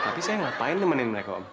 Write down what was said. tapi saya ngapain nemenin mereka